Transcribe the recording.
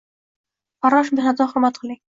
Farrosh mehnatini hurmat qiling.